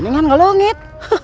jangan lalu nget